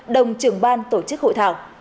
đồng trưởng ban tổ chức hội thảo